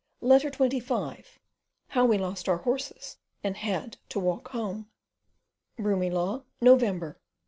Letter XXV: How We lost our horses and had to walk home. Broomielaw, November 1868.